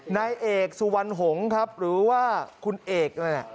นายเอกสุวรรณหงษ์ครับหรือว่าคุณเอกนั่นแหละ